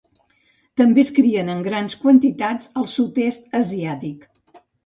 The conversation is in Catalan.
També es crien en grans quantitats al sud-est asiàtic.